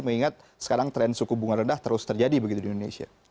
mengingat sekarang tren suku bunga rendah terus terjadi begitu di indonesia